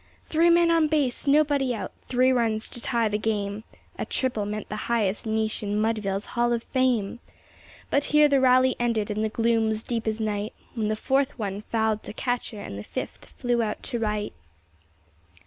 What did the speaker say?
Three men on base nobody out three runs to tie the game! A triple meant the highest niche in Mudville's hall of fame. But here the rally ended and the gloom was deep as night When the fourth one "fouled to catcher," and the fifth "flew out to right."